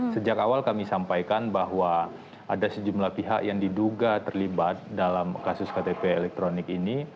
sejak awal kami sampaikan bahwa ada sejumlah pihak yang diduga terlibat dalam kasus ktp elektronik ini